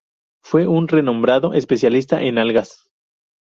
Fue un renombrado especialista en algas.